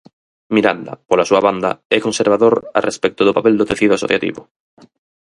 Miranda, pola súa banda, é conservador a respecto do papel do tecido asociativo.